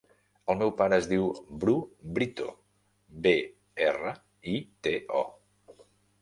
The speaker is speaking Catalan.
El meu pare es diu Bru Brito: be, erra, i, te, o.